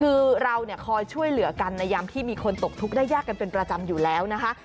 คือเราเนี่ยคอยช่วยเหลือกันในยามที่มีคนตกทุกข์ได้ยากกันเป็นประจำอยู่แล้วนะคะ